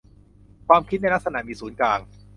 ความคิดในลักษณะ มีศูนย์กลาง